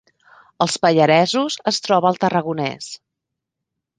Els Pallaresos es troba al Tarragonès